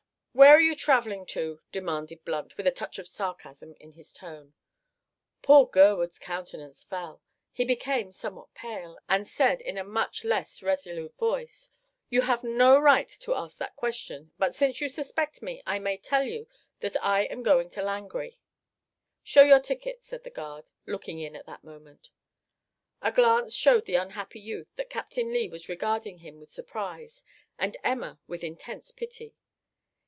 "Where are you travelling to?" demanded Blunt, with a touch of sarcasm in his tone. Poor Gurwood's countenance fell. He became somewhat pale, and said, in a much less resolute voice, "You have no right to ask that question; but since you suspect me, I may tell you that I am going to Langrye." "Show your ticket," said the guard, looking in at that moment. A glance showed the unhappy youth that Captain Lee was regarding him with surprise and Emma with intense pity.